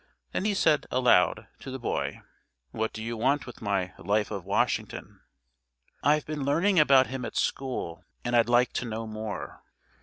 Then he said, aloud, to the boy: "What do you want with my 'Life of Washington'?" "I've been learning about him at school, and I'd like to know more."